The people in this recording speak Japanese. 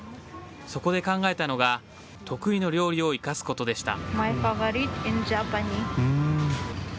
そこで考えたのが、得意の料理を生かすことでした。